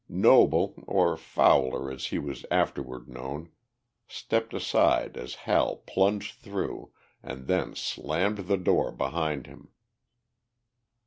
Noble or Fowler, as he was afterward known stepped aside as Hal plunged through, and then slammed the door behind him.